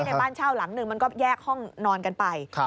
บ้านเช่าหลังหนึ่งมันก็แยกห้องนอนกันไป